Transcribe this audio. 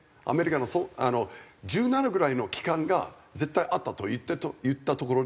アメリカの１７ぐらいの機関が絶対あったと言ったところで。